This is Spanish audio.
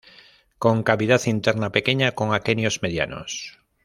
Con cavidad interna pequeña, con aquenios medianos.